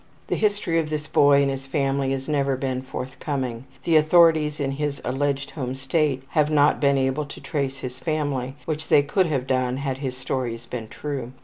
The history of this boy and his family has never been forthcoming. The authorities in his alleged home State have not been able to trace his family, which they could have done had his stories been true.